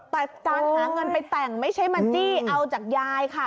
แต่การหาเงินไปแต่งไม่ใช่มาจี้เอาจากยายค่ะ